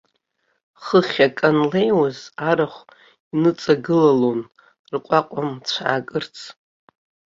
Хыхь акы анлеиуаз арахә иныҵагылалон, рҟәаҟәа мцәаакырц.